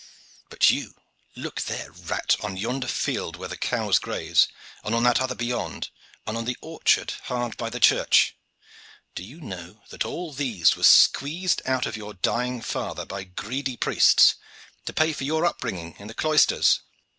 But you! Look there, rat, on yonder field where the cows graze, and on that other beyond, and on the orchard hard by the church. Do you know that all these were squeezed out of your dying father by greedy priests, to pay for your upbringing in the cloisters?